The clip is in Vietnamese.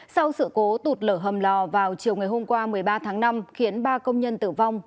sau sự cố tụt lở hầm lò vào chiều ngày hôm qua một mươi ba tháng năm khiến ba công nhân tử vong